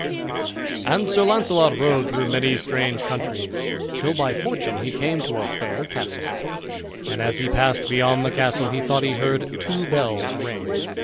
And Sir Launcelot rode through many strange countries, till by fortune he came to a fair castle; and as he passed beyond the castle he thought he heard two bells ring.